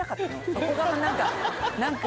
そこが何か何か。